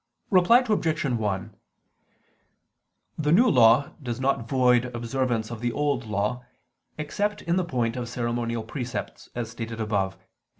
Reply Obj. 1: The New Law does not void observance of the Old Law except in the point of ceremonial precepts, as stated above (Q.